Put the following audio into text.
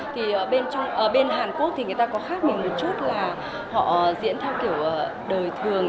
thì bên hàn quốc thì người ta có khác mình một chút là họ diễn theo kiểu đời thường